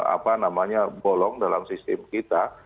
apa namanya bolong dalam sistem kita